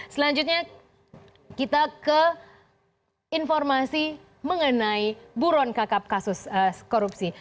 selanjutnya kita ke informasi mengenai buruan kakak kasus korupsi